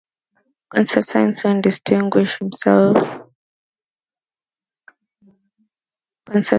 Constantine soon distinguished himself as a fire ship captain.